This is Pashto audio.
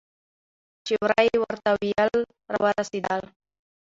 چې ورا یې ورته ویله راورسېدل.